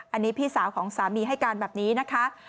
อันนี้พี่สาวของสามีให้การแบบนี้นะคะ